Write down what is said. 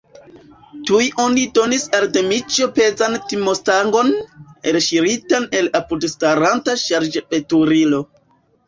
Tuj oni donis al Dmiĉjo pezan timonstangon, elŝiritan el apudstaranta ŝarĝveturilo.